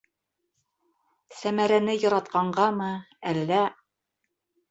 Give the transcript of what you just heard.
Сәмәрәне яратҡанғамы, әллә...